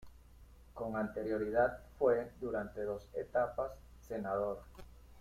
Con anterioridad fue, durante dos etapas, senador.